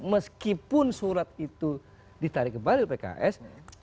meskipun surat itu ditarik kembali ke pks